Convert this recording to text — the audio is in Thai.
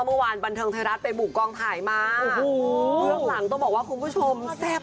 มันตะลึงตะลึงคุณผู้ชม